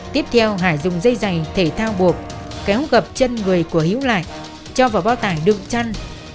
tiếp theo hải dùng dây giày thể thao bộp kéo gập chân người của hiếu lại cho vào bao tải đường chăn